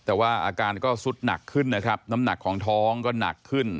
แต่ว่าอาการก็สุดหนักขึ้นนะครับน้ำหนักของท้องก็หนักขึ้น